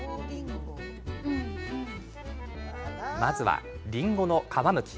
まずは、りんごの皮むき。